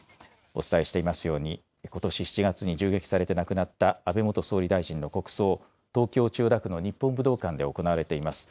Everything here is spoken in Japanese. お伝えしていますように、ことし７月に銃撃されて亡くなった安倍元総理大臣の国葬、東京・千代田区の日本武道館で行われています。